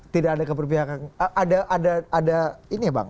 tidak ada keberpihakan